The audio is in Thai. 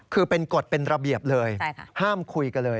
คือเป็นกฎเป็นระเบียบเลยห้ามคุยกันเลย